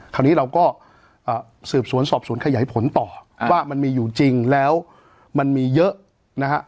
คราวนี้เราก็สืบสวนสอบสวนขยายผลต่อว่ามันมีอยู่จริงแล้วมันมีเยอะนะฮะ